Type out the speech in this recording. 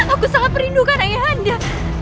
aku sangat merindukan ayah anda